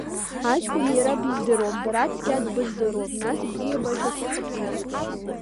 Аҷкәын иара биздыруам, бара цқьа дбыздыруам, нас бзиабашьас иҟабҵазеи…